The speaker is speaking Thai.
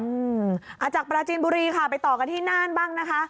อ่าจากปราจีนบุรีค่ะไปต่อกันที่น่านบ้างนะคะ